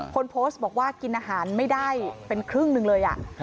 คนโพสต์บอกว่ากินอาหารไม่ได้เป็นครึ่งหนึ่งเลย